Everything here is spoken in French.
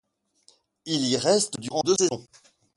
Il y reste durant deux saisons.